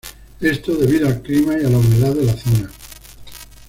Esto debido al clima y a la humedad de la zona.